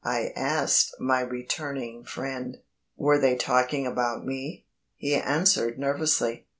I asked my returning friend; "were they talking about me?" He answered nervously.